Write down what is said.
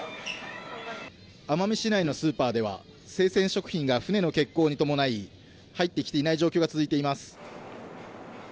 奄美市内のスーパーでは、生鮮食品が船の欠航に伴い、入ってきていない状況が続いています。